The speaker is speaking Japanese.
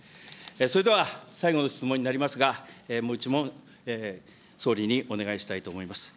それでは、最後の質問になりますが、もう１問、総理にお願いしたいと思います。